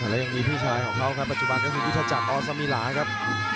และยังมีพี่ชายของเขาครับปัจจุบันก็คือยุทธจักรอสมิลาครับ